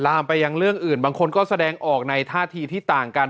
ไปยังเรื่องอื่นบางคนก็แสดงออกในท่าทีที่ต่างกัน